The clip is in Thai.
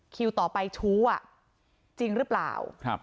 คิวต่อไปชู้อ่ะจริงหรือเปล่า